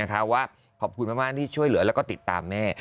ขอบคุณมากที่ช่วยเหลือแล้วก็ติดตามแม่